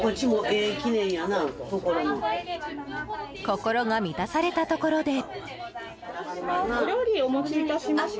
心が満たされたところで。